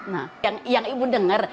nah yang ibu denger